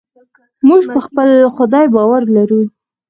موږ په خپل خدای باور لرو.